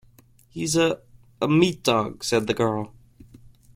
He's a — a meat dog," said the girl.